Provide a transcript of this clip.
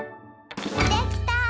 できた！